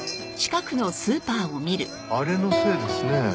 あれのせいですね。